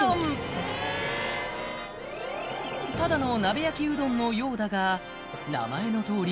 ただの鍋焼きうどんのようだが名前のとおり